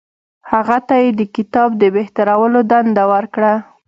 هغه ته یې د کتاب د بهترولو دنده ورکړه.